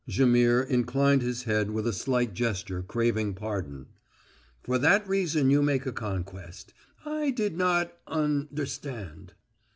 Jaimihr inclined his head with a slight gesture craving pardon. "For that reason you make a conquest. I did not un derstand."